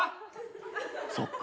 そっか。